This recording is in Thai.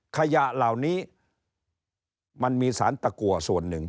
ขยะเหล่านี้มันมีสารตะกัวส่วนหนึ่ง